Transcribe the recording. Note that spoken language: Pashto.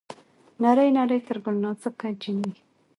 نرۍ نرى تر ګل نازکه جينۍ